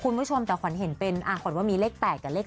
คุณผู้ชมแต่ขวัญเห็นเป็นขวัญว่ามีเลข๘กับเลข๗